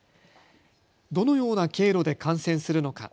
どのような経路で感染するのか。